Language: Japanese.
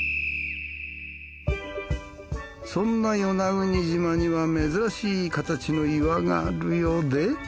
そんな与那国島には珍しい形の岩があるようで。